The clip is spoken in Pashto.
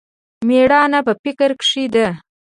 مېړانه په فکر کښې ده.